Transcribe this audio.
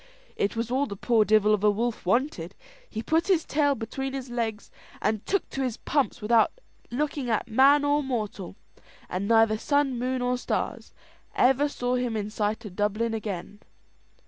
It was all the poor divel of a wolf wanted: he put his tail between his legs, and took to his pumps without looking at man or mortal, and neither sun, moon, or stars ever saw him in sight of Dublin again.